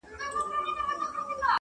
هسي نه چي شوم اثر دي پر ما پرېوزي،